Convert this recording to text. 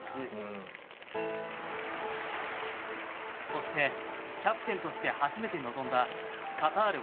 そしてキャプテンとして初めて臨んだカタール